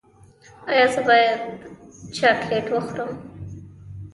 ایا زه باید چاکلیټ وخورم؟